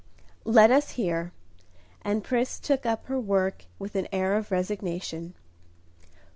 "Let us hear." And Pris took up her work with an air of resignation.